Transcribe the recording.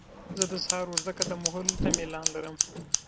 زه د سهار اوږده قدم وهلو ته میلان لرم.